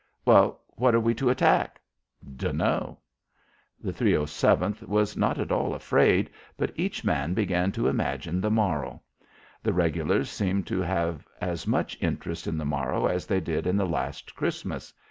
"Well, what are we to attack?" "Dunno." The 307th was not at all afraid, but each man began to imagine the morrow. The regulars seemed to have as much interest in the morrow as they did in the last Christmas.